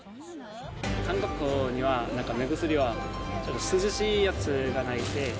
韓国にはなんか目薬は、ちょっと涼しいやつがないので。